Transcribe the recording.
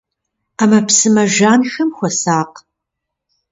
Ӏэмэпсымэ жанхэм хуэсакъ.